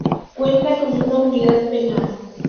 Cuenta con una unidad penal.